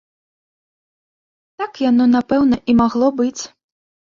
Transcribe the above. Так яно, напэўна, і магло быць.